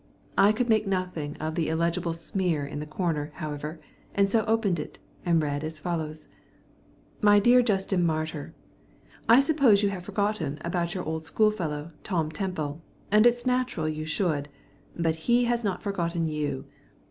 I could make nothing of the illegible smear in the corner, however, and so opened it, and read as follows: Dear old Justin Martyr, I suppose you have about forgotten your old schoolfellow, Tom Temple, and it's natural you should; but he has not forgotten you.